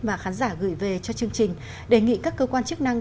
mà khán giả gửi về cho chương trình đề nghị các cơ quan chức năng